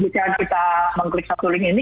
misalnya kita mengklik satu link ini